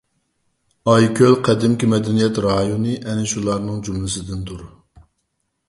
ئايكۆل قەدىمكى مەدەنىيەت رايونى ئەنە شۇلارنىڭ جۈملىسىدىندۇر.